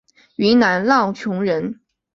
云南浪穹人。